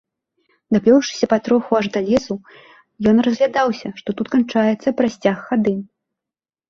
Даплёўшыся патроху аж да лесу, ён разглядаўся, што тут канчаецца прасцяг хады.